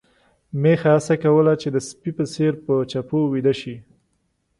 میښه هڅه کوله چې د سپي په څېر په چپو ويده شي.